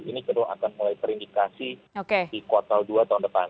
ini cenderung akan mulai terindikasi di kuartal dua tahun depan